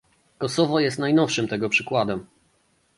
Kosowo jest najnowszym tego przykładem